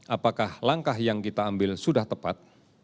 apakah langkah yang kita ambil sudah tepat